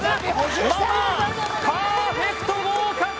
マ・マーパーフェクト合格！